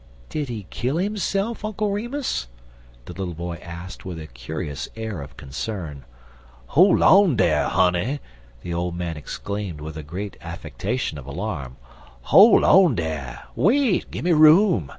"Did he kill himself, Uncle Remus?" the little boy asked, with a curious air of concern. "Hol' on dar, honey!" the old man exclaimed, with a great affectation of alarm; "hol' on dar! Wait! Gimme room!